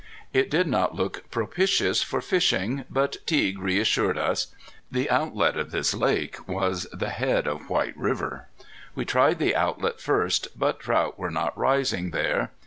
It did not look propitious for fishing, but Teague reassured us. The outlet of this lake was the head of White River. We tried the outlet first, but trout were not rising there.